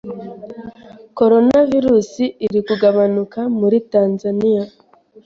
Coronavirus iri kugabanuka muri Tanzania